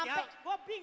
sampai gue bingung